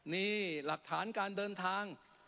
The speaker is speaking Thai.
นี่หลักฐานการเดินทาง